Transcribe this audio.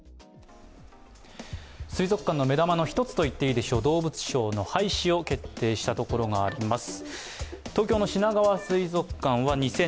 水族館の目玉の１つと言っていいでしょう、動物ショーの廃止を決定したところがあります。